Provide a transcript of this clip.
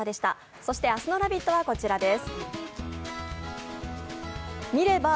そして明日の「ラヴィット！」はこちらです。